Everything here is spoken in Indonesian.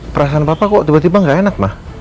perasaan papa kok tiba tiba gak enak mah